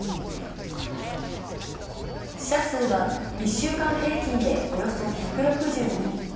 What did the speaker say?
死者数は１週間平均でおよそ１６２人。